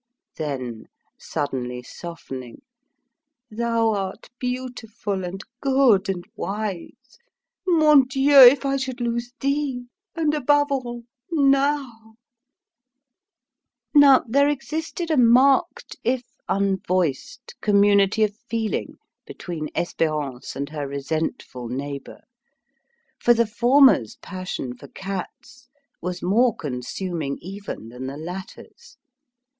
then, suddenly softening "Thou art beautiful, and good, and wise. Mon Dieu, if I should lose thee, and above all, now!" Now there existed a marked, if unvoiced, community of feeling between Espérance and her resentful neighbour, for the former's passion for cats was more consuming even than the latter's.